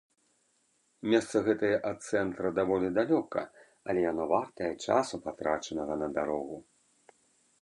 Месца гэтае ад цэнтра даволі далёка, але яно вартае часу, патрачанага на дарогу.